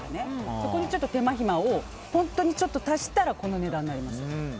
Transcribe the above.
ここに手間暇をちょっと足したらこの値段になります。